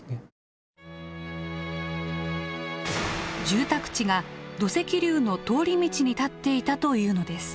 住宅地が土石流の通り道に建っていたというのです。